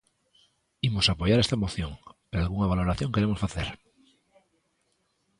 Imos apoiar esta moción, pero algunha valoración queremos facer.